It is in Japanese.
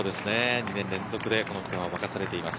２年連続でアンカーを任されています。